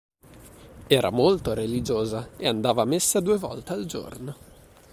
Era molto religiosa e andava a messa due volte al giorno.